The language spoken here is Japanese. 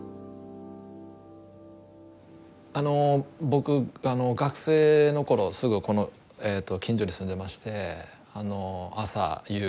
僕学生の頃すぐこの近所に住んでまして朝夕